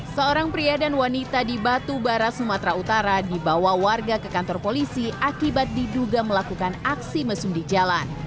seorang pria dan wanita di batubara sumatera utara dibawa warga ke kantor polisi akibat diduga melakukan aksi mesum di jalan